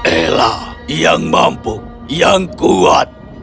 ela yang mampu yang kuat